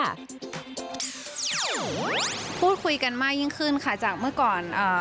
พูดคุยกันมากยิ่งขึ้นค่ะจากเมื่อก่อนเอ่อ